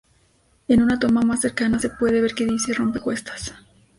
En una toma más cercana, se puede ver que dice "Rompe-cuestas".